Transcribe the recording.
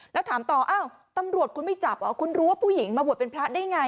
แล้วถามต่ออ้าวตำรวจคุณไม่จับเหรอคุณรู้ว่าผู้หญิงมาบวชเป็นพระได้ไง